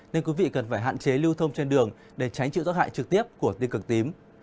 nên quý vị cần phải hạn chế lưu thông trên đường để tránh chịu gió hại trực tiếp của tiêu cực tím